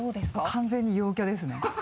完全に陽キャですね。